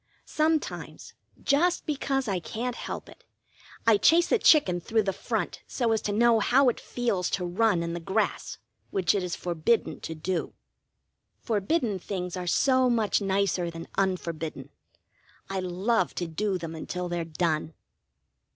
Sometimes, just because I can't help it, I chase a chicken through the front so as to know how it feels to run in the grass, which it is forbidden to do. Forbidden things are so much nicer than unforbidden. I love to do them until they're done.